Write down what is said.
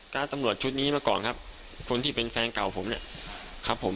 ตำรวจชุดนี้มาก่อนครับคนที่เป็นแฟนเก่าผมเนี่ยครับผม